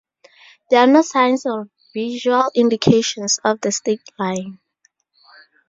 There are no signs or visual indications of the state line.